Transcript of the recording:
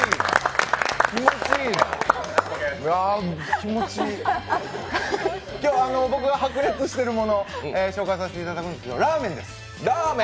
気持ちいい、今日僕が履く常しているものを紹介させていただくんですがラーメンです